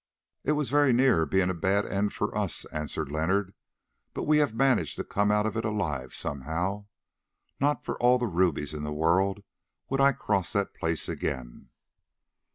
"It was very near being a bad end for us," answered Leonard, "but we have managed to come out of it alive somehow. Not for all the rubies in the world would I cross that place again."